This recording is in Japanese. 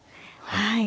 はい。